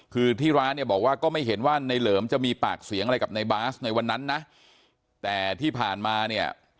คือที่ร้านเนี่ยบอกว่าก็ไม่เห็นว่าในเหลิมจะมีปากเสียงอะไรกับในบาสในวันนั้นนะแต่ที่ผ่านมาเนี่ย